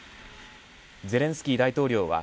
ゼレンスキー大統領は